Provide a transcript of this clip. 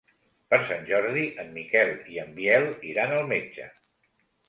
Per Sant Jordi en Miquel i en Biel iran al metge.